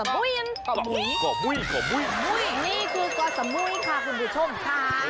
บุ้ยนี่คือกอสมุยค่ะคุณผู้ชมค่ะ